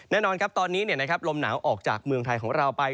แน่นอนครับตอนนี้ลมหนาวออกจากเมืองไทยของเราไป